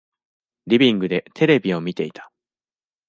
リビングでテレビを見ていた。